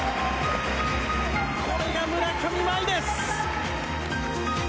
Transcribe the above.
これが村上茉愛です。